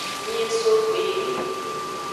Nyin so kpeyi.